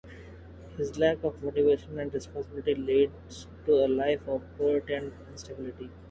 His lack of motivation and responsibility leads to a life of poverty and instability.